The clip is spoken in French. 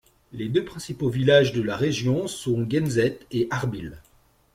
Les deux principaux villages de la région sont Guenzet et Harbil.